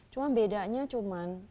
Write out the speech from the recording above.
cuma bedanya cuman